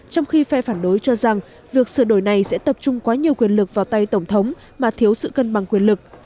trong khi phe phản đối cho rằng việc sửa đổi này sẽ tập trung quá nhiều quyền lực vào tay tổng thống mà thiếu sự cân bằng quyền lực